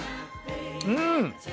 うん！